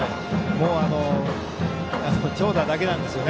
もう長打だけなんですよ。